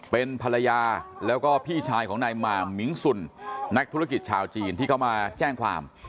เป็นภรรยาแล้วก็พี่ชายของนายมามมิงสุนนักธุรกิจชาวจีนที่เขามาแจ้งความ